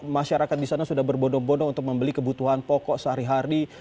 masyarakat di sana sudah berbondong bondong untuk membeli kebutuhan pokok sehari hari